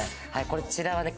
こちらはね